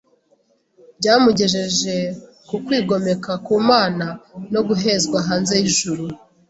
byamugejeje ku kwigomeka ku Mana no guhezwa hanze y’ijuru.